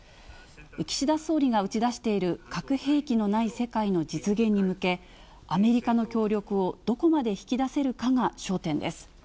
岸田総理が打ち出している核兵器のない世界の実現に向け、アメリカの協力をどこまで引き出せるかが焦点です。